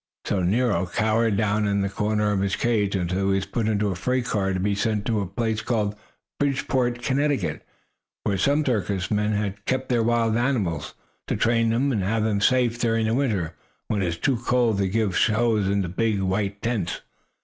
So Nero cowered down in the corner of his cage until he was put in a freight car to be sent to a place called Bridgeport, Connecticut, where some circus men keep their wild animals, to train them, and have them safe during the winter when it is too cold to give shows in the big, white tents.